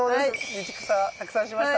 道草たくさんしました。